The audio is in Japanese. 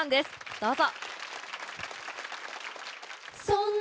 どうぞ。